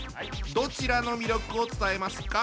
どちらの魅力を伝えますか？